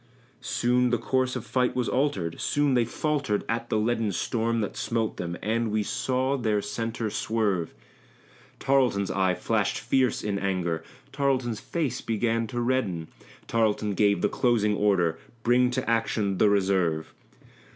Soon the course of fight was altered; soon they faltered at the leaden Storm that smote them, and we saw their centre swerve. Tarleton's eye flashed fierce in anger; Tarleton's face began to redden; Tarleton gave the closing order "Bring to action the reserve!"